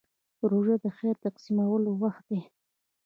روژه د خیر تقسیمولو وخت دی.